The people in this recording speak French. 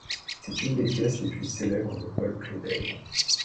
C'est une des pièces les plus célèbres de Paul Claudel.